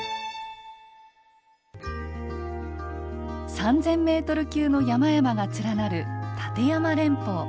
３，０００ｍ級の山々が連なる立山連峰。